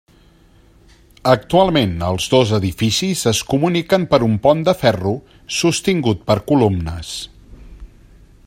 Actualment, els dos edificis es comuniquen per un pont de ferro sostingut per columnes.